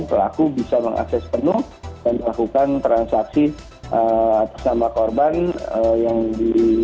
pelaku bisa mengakses penuh dan melakukan transaksi atas nama korban yang di